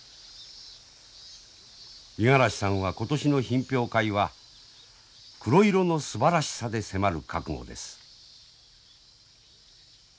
五十嵐さんは今年の品評会は黒色のすばらしさで迫る覚悟です。